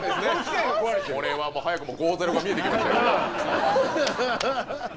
これはもう早くも５−０が見えてきましたけど。